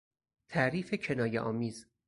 تعریف کنایهآمیز